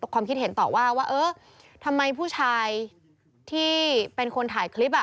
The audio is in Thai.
ความคิดเห็นต่อว่าว่าเออทำไมผู้ชายที่เป็นคนถ่ายคลิปอ่ะ